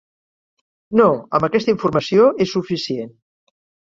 No, amb aquesta informació és suficient.